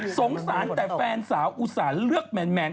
สงสารแต่แฟนสาวอุตส่าห์เลือกแมน